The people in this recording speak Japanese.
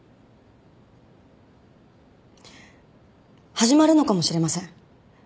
始まるのかもしれません。